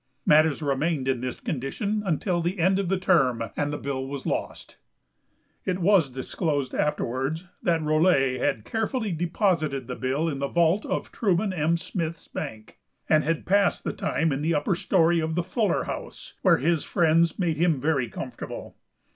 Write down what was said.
Matters remained in this condition until the end of the term, and the bill was lost. It was disclosed afterwards that Rolette had carefully deposited the bill in the vault of Truman M. Smith's bank, and had passed the time in the upper story of the Fuller House, where his friends made him very comfortable.